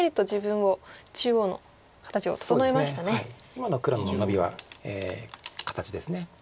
今の黒のノビは形です。